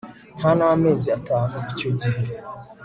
nta n'amezi atanu icyo gihe